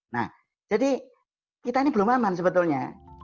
nah jadi kita ini belum aman sebetulnya